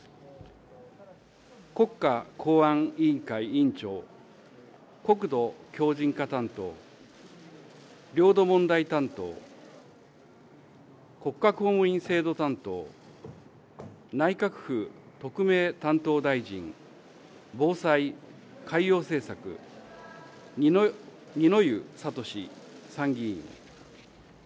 国家公安委員会委員長、国土強靭化担当、領土問題担当、国家公務員制度担当、内閣府特命担当大臣、防災海洋政策、二之湯智、参議院。